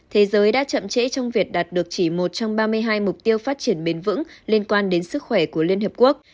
thế giới đã chậm trễ trong việc đạt được chỉ một trong ba mươi hai mục tiêu phát triển bền vững liên quan đến sức khỏe của liên hợp quốc